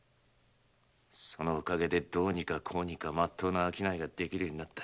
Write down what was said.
そのお陰でどうにかこうにかまっとうな商いができるようになった。